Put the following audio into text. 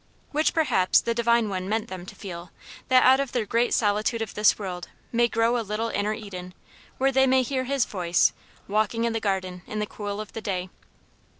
Which, perhaps, the Divine One meant them to feel that out of their great solitude of this world may grow a little inner Eden, where they may hear His voice, "walking in the garden in the cool of the day."